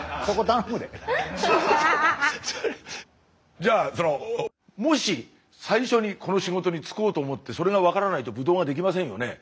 じゃあそのもし最初にこの仕事に就こうと思ってそれが分からないとブドウが出来ませんよね。